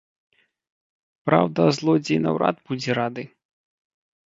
Праўда, злодзей наўрад будзе рады.